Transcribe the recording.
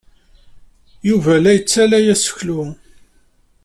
Yuba la yettaley aseklu.